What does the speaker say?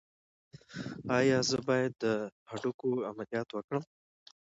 ایا زه باید د هډوکو عملیات وکړم؟